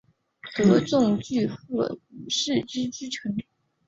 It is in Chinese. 的重臣鹤谷氏之居城。